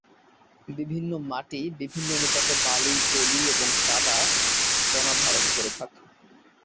বিভিন্ন মাটি বিভিন্ন অনুপাতে বালি, পলি ও কাদা কণা ধারণ করে থাকে।